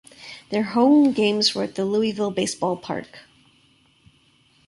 Their home games were at the Louisville Baseball Park.